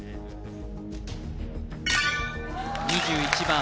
２１番